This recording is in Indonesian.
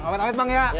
amat amat bang ya